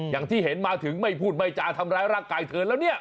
อย่างที่เห็นมาถึงไม่พูดไม่จาทำร้ายร่างกายเธอแล้วเนี่ย